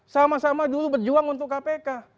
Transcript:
sama sama dulu berjuang untuk kpk